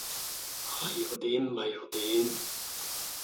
係又點唔係又點？